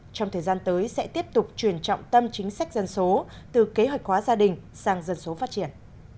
trong thời gian tới sẽ tiếp tục truyền trọng tâm chính sách dân số từ kế hoạch hóa gia đình sang dân số phát triển